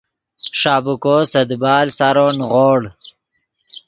ݰابیکو سے دیبال سارو نیغوڑ